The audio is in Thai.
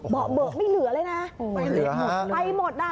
บอกเบิดไม่เหลือเลยนะ